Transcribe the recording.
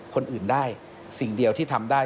คนอื่นได้สิ่งเดียวที่ทำได้